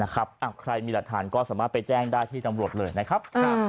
ใครมีหลักฐานก็สามารถไปแจ้งได้ที่ตำรวจเลยนะครับ